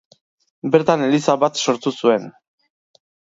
Bertan eliza bat sortu zuen.